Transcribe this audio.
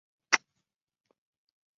以朝鲜王朝君王世宗大王命名。